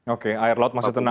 oke air laut masih tenang